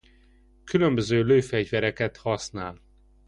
Különböző lőfegyvereket használ.